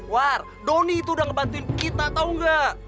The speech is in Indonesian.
war doni itu udah ngebantuin kita tau gak